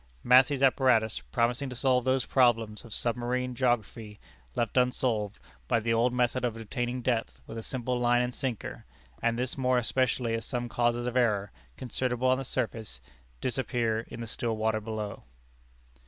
Massey's apparatus promising to solve those problems of submarine geography left unsolved by the old method of obtaining depth with a simple line and sinker, and this more especially as some causes of error, considerable on the surface, disappear in the still water below."